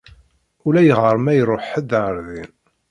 Ulayɣer ma iruḥ ḥedd ɣer din.